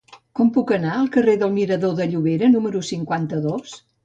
Com puc anar al carrer del Mirador de Llobera número cinquanta-dos?